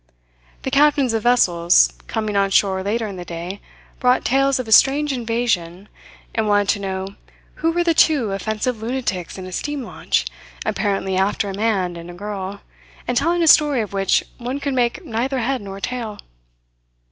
The captains of vessels, coming on shore later in the day, brought tales of a strange invasion, and wanted to know who were the two offensive lunatics in a steam launch, apparently after a man and a girl, and telling a story of which one could make neither head nor tail.